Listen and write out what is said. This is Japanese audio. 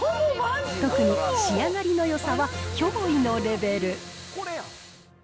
特に仕上がりのよさは驚異のレベル。